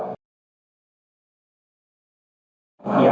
อย่างคือถนัดฝีศวินตร์ต่อพลองไปเลยครับ